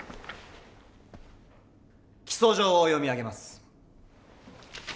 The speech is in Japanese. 起訴状を読み上げます。